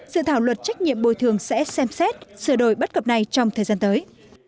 sự thảo luật trách nhiệm bồi thường sẽ xem xét sửa đổi bất cập này trong thời gian tới